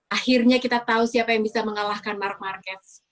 akhirnya kita tahu siapa yang bisa mengalahkan mark marquez